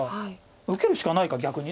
受けるしかないか逆に。